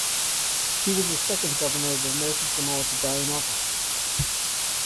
He was the second Governor of American Samoa to die in office.